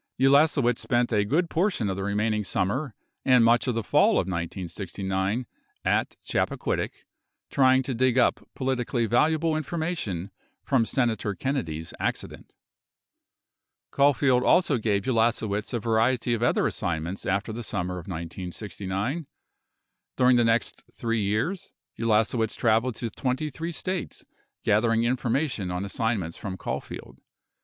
Ulasewicz spent a good portion of the remaining summer and much of the fall of 1969 at Chappaquiddick trying to dig up politically valuable information from Senator Kennedy's accident. Caulfield also gave Ulasewicz a variety of other assignments after the summer of 1969. During the next 3 years, Ulasewicz traveled to 23 States gathering information on assignments from Caulfield.